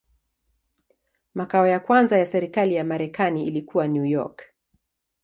Makao ya kwanza ya serikali ya Marekani ilikuwa New York.